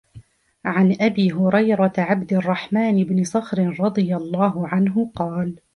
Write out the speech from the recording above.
عَن أبي هُريرةَ عَبدِ الرَّحمنِ بنِ صَخْرٍ رَضِي اللهُ عَنْهُ قالَ: